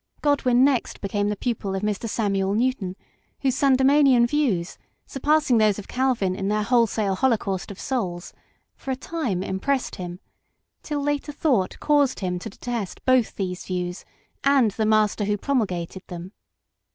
Godwin next became the pupil of Mr. Samuel Newton, whose Sandemanian views, surpassing those of Calvin in their wholesale holocaust of souls, for a time impressed him, till later thought caused him to detest both these views and the master who promul gated them.